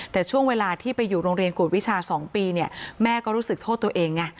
แต่ช่วงเวลาที่ไปอยู่โรงเรียนกวดวิชา๒ปีเนี่ยแม่ก็รู้สึกโทษตัวเองไง